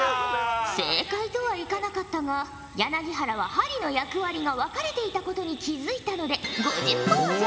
正解とはいかなかったが柳原は針の役割が分かれていたことに気付いたので５０ほぉじゃ。